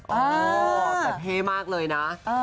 แต่เพมากเลยนะ